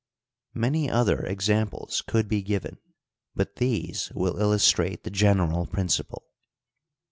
Many other examples could be given, but these will illustrate the general principle.